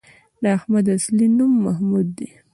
د احمد اصلی نوم محمود دی